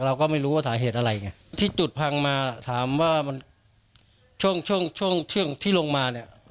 เราก็ไม่รู้ว่าสาเหตุอะไรไงที่จุดพังมาถามว่ามันช่วงช่วงที่ลงมาเนี่ย